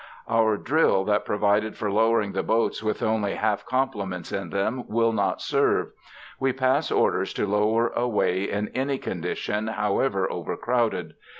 Our drill, that provided for lowering the boats with only half complements in them, will not serve. We pass orders to lower away in any condition, however overcrowded.